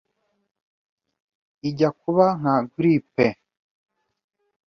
ijya kuba nka 'grippe'